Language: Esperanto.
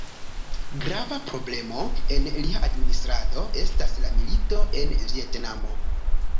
Grava problemo en lia administrado estas la milito en Vjetnamo.